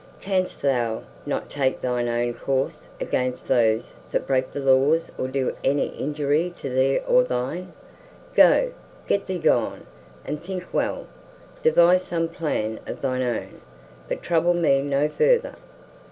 Canst thou not take thine own course against those that break the laws or do any injury to thee or thine? Go, get thee gone, and think well; devise some plan of thine own, but trouble me no further.